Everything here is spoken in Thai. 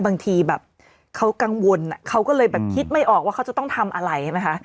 บางทีเขากังวลเขาก็เลยคิดไม่ออกว่าเขาจะต้องทำอะไร